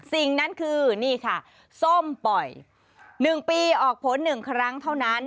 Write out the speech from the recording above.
สิ่งนั้นคือนี่ค่ะส้มปล่อย๑ปีออกผล๑ครั้งเท่านั้น